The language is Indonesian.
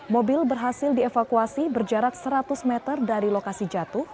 mobil berhasil dievakuasi berjarak seratus meter dari lokasi jatuh